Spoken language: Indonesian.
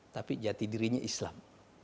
tapi jati dirinya islam